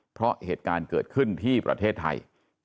เพราะเหตุการณ์เกิดขึ้นที่ประเทศไทย